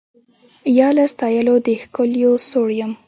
یا له ستایلو د ښکلیو سوړ یم